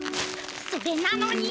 それなのに。